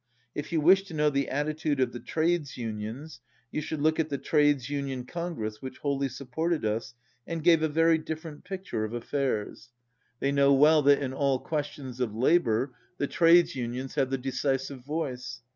If you wish to know the attitude of the Trades Unions, you should look at the Trades Union Congress which wholly supported us, and gave a very different picture of affairs. 174 They know well that in all questions of labour, the trades unions have the decisive voice.